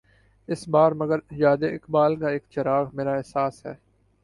اس بار مگر یاد اقبال کا ایک چراغ، میرا احساس ہے